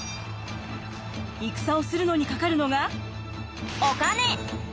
戦をするのにかかるのがお金！